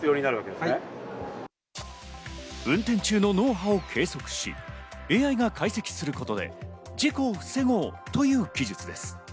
運転中の脳波を計測し、ＡＩが解析することで事故を防ごうという技術です。